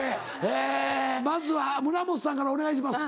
えまずは村元さんからお願いします。